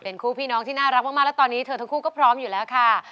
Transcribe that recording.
คู่พี่น้องที่น่ารักมากและตอนนี้เธอทั้งคู่ก็พร้อมอยู่แล้วค่ะ